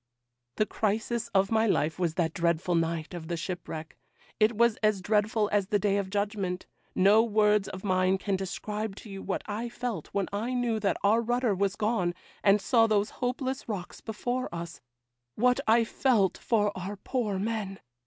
'The crisis of my life was that dreadful night of the shipwreck. It was as dreadful as the day of judgment. No words of mine can describe to you what I felt when I knew that our rudder was gone, and saw those hopeless rocks before us—what I felt for our poor men!